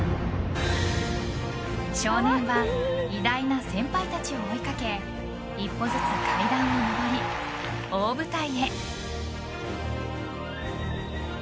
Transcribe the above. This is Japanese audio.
少年は偉大な先輩たちを追いかけ一歩ずつ階段を上り、大舞台へ。